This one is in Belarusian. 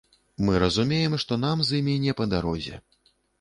Мы разумеем, што нам з імі не па дарозе.